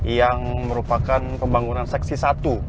yang merupakan pembangunan seksi satu